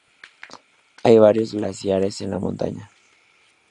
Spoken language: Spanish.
Hay varios glaciares en la montaña.